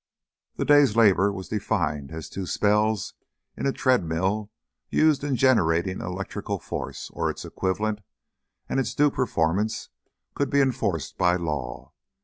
The day's labour was defined as two spells in a treadmill used in generating electrical force, or its equivalent, and its due performance could be enforced by law.